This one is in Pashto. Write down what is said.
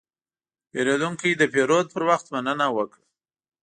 پیرودونکی د پیرود پر وخت مننه وکړه.